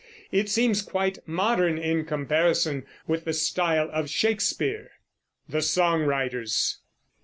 It seems quite modern in comparison with the style of Shakespeare." THE SONG WRITERS.